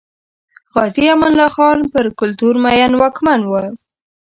غازي امان الله خان پر کلتور مین واکمن و.